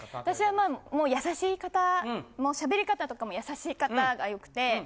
私はまあ優しい方しゃべり方とかも優しい方が良くて。